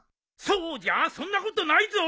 そうじゃそんなことないぞ。